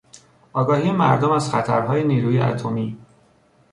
آگاهی مردم از خطرهای نیروی اتمی